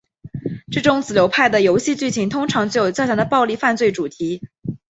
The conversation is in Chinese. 这种子流派的游戏剧情通常具有较强的暴力犯罪主题。